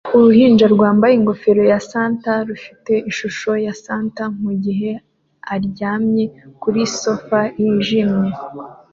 Uruhinja rwambaye ingofero ya Santa rufite ishusho ya Santa mugihe aryamye kuri sofa yijimye